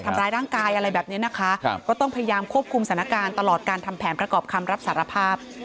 ทำร้ายร่างกายอะไรแบบนี้นะคะก็ต้องพยายามควบคุมสถานการณ์ตลอดการทำแผนประกอบคำรับสารภาพ